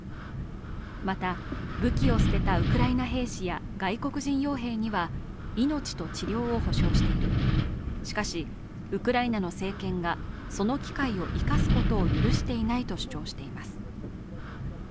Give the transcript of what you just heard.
また、武器を捨てたウクライナ兵士や外国人よう兵には命と治療を保証している、しかし、ウクライナの政権がその機会を生かすことを許していないと主張しています。